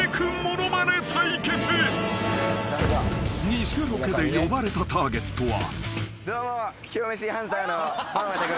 ［偽ロケで呼ばれたターゲットは］